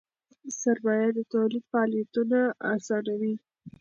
سرمایه د تولید فعالیتونه آسانوي.